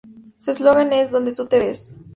Su eslogan es ""Donde tú te ves"".